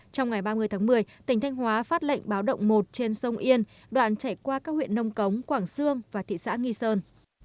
trong ngày ba mươi tháng một mươi tỉnh thanh hóa phát lệnh báo động một trên sông yên đoạn chảy qua các huyện nông cống quảng sương và thị xã nghi sơn